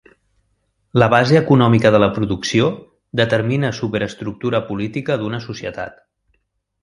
La base econòmica de la producció determina superestructura política d'una societat.